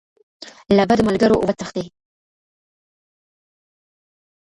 له بدو ملګرو وتښتئ.